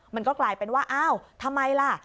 มันก็กลายเป็นว่าอ้าวทำไมล่ะ